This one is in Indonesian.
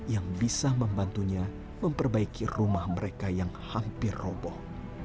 yang bisa membantunya memperbaiki rumah mereka yang hampir roboh